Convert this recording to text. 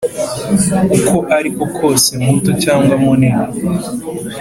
uko ari ko kose muto cyangwa munini